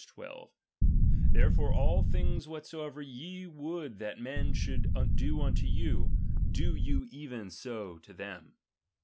12): Therefore all things ^Mira^r^L whatsoever ye Kould that men should do unto you, do you even so to them.